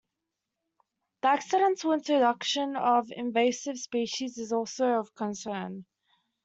The accidental introduction of invasive species is also of concern.